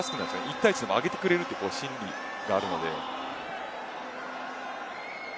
１対１で上げてくれるという心理があるので。